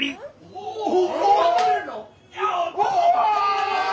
おお！